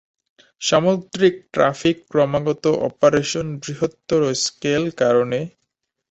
সামুদ্রিক ট্রাফিক ক্রমাগত অপারেশন বৃহত্তর স্কেল কারণে, গত দশ বছরে নিংপো-চৌশান পোর্ট মধ্যে জল মানের খারাপভাবে দূষিত হয়েছে।